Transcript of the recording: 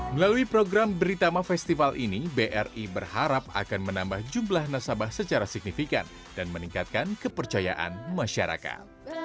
melalui program beritama festival ini bri berharap akan menambah jumlah nasabah secara signifikan dan meningkatkan kepercayaan masyarakat